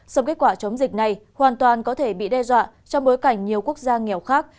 sông kết quả chống dịch này hoàn toàn có thể bị đe dọa trong bối cảnh nhiều quốc gia nghèo khác